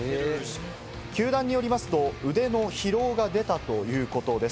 球団によりますと、腕の疲労が出たということです。